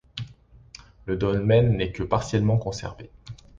Le dolmen n'est que partiellement conservé.